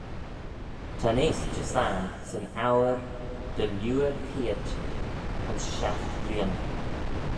Ta eayst Jesarn 'syn ouyr dy-liooar cheayrt ayns shiaght bleeaney.